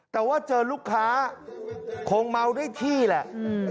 แต่ว่าเจอลูกค้าคงเมาได้ที่แหละ